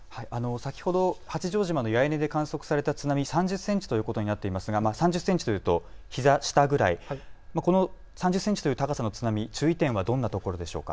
先ほど八丈島の八重根で観測された津波３０センチということになっていますが３０センチというとひざ下ぐらい、この３０センチという高さの津波、注意点はどんなところでしょうか。